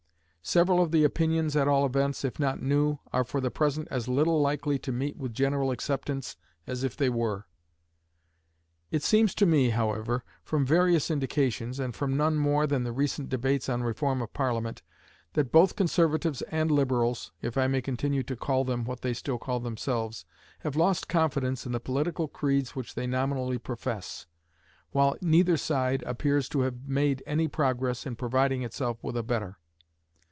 Several of the opinions at all events, if not new, are for the present as little likely to meet with general acceptance as if they were. It seems to me, however, from various indications, and from none more than the recent debates on Reform of Parliament, that both Conservatives and Liberals (if I may continue to call them what they still call themselves) have lost confidence in the political creeds which they nominally profess, while neither side appears to have made any progress in providing itself with a better.